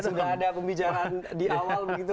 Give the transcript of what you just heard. sudah ada pembicaraan di awal begitu